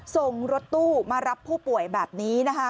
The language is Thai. ส่งรถตู้มารับผู้ป่วยแบบนี้นะคะ